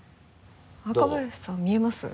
若林さん見えます？